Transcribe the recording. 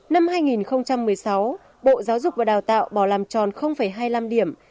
năm hai nghìn một mươi sáu bộ giáo dục và đào tạo bỏ làm tròn hai mươi năm điểm